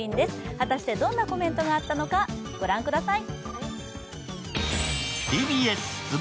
果たしてどんなコメントがあったのか、ご覧ください。